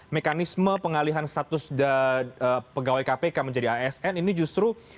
mekanisme pengalihan status pegawai kpk menjadi asn ini justru